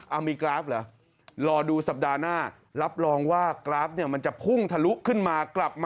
เอามีกราฟเหรอรอดูสัปดาห์หน้ารับรองว่ากราฟเนี่ยมันจะพุ่งทะลุขึ้นมากลับมา